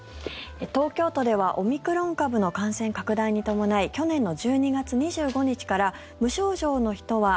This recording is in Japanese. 東京都ではオミクロン株の感染拡大に伴い去年の１２月２５日から無症状の人は